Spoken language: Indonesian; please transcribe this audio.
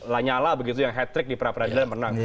lanyala begitu yang hat trick di pra peradilan menang